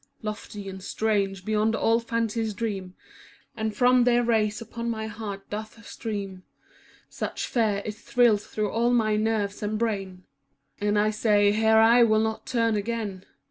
Lofty and strange beyond all fancy's dream. And from their rays upon my heart doth stream * Such fear, it thrills through all my nerves and brain, And I say, "Here I will not turn again."